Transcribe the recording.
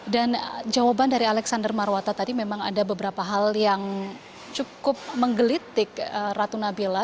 dan jawaban dari alexander barwota tadi memang ada beberapa hal yang cukup menggelitik ratu nabila